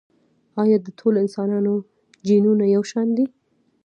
ایا د ټولو انسانانو جینونه یو شان دي؟